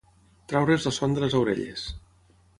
Treure's la son de les orelles.